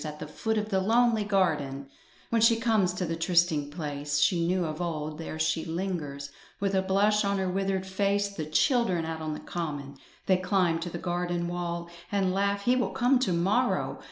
At the foot of the lonely garden, When she comes to the trysting place She knew of old, there she lingers, With a blush on her withered face. The children out on the common: They climb to the garden wall; And laugh: "He will come to morrow!"